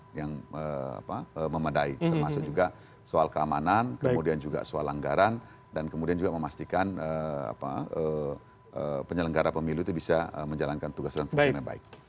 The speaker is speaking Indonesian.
yang memadai termasuk juga soal keamanan kemudian juga soal anggaran dan kemudian juga memastikan penyelenggara pemilu itu bisa menjalankan tugas dan fungsinya baik